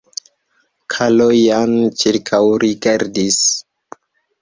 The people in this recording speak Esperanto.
Kalojan ĉirkaŭrigardis.